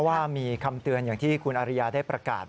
ว่ามีคำเตือนอย่างที่คุณอริยาได้ประกาศ